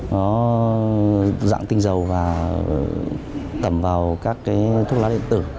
nó dạng tinh dầu và tẩm vào các cái thuốc lá điện tử